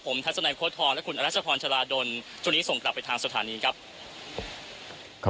ผมทัศนัยโค้ดทองและคุณอรัชพรชลาดลช่วงนี้ส่งกลับไปทางสถานีครับ